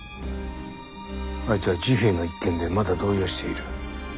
あいつは治平の一件でまだ動揺している。